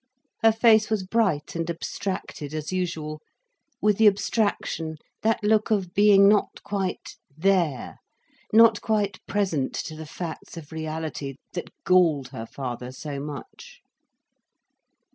Her face was bright and abstracted as usual, with the abstraction, that look of being not quite there, not quite present to the facts of reality, that galled her father so much.